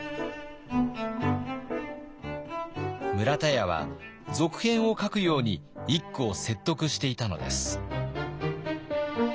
村田屋は続編を書くように一九を説得していたのです。